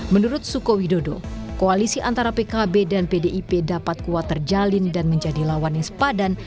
menurut suko widodo koalisi antara pkb dan pdip dapat kuat terjalin dan menjadi lawan yang sepadan